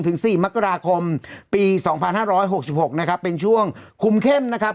ถึงสี่มกราคมปีสองพันห้าร้อยหกสิบหกนะครับเป็นช่วงคุมเข้มนะครับ